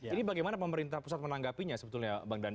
ini bagaimana pemerintah pusat menanggapinya sebetulnya bang dhani